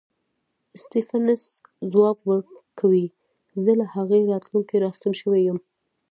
سټېفنس ځواب ورکوي زه له هغې راتلونکې راستون شوی یم